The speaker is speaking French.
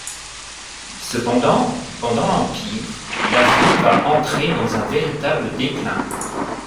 Cependant, pendant l'Empire, la ville va entrer dans un véritable déclin.